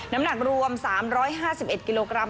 น้ำหนักรวม๓๕๑กิโลกรัม